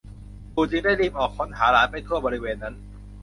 ปู่จึงได้รีบออกค้นหาหลานไปทั่วบริเวณนั้น